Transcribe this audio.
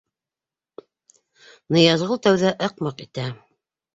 Ныязғол тәүҙә ыҡ-мыҡ итә: